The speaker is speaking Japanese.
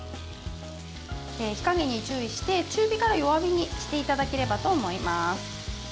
火加減に注意して中火から弱火にしていただければと思います。